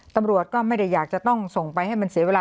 ตำรวจก็ไม่ได้อยากจะต้องส่งไปให้มันเสียเวลา